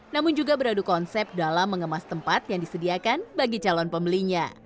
namun juga beradu konsep dalam mengemas tempat yang disediakan bagi calon pembelinya